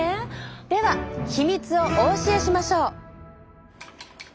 では秘密をお教えしましょう！